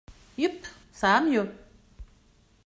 Yupp !… ça va mieux !…